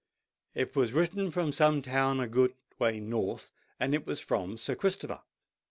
It was written from some town a good way north, and was from Sir Christopher.